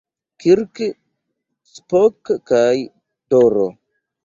Kirk, Spock kaj D-ro.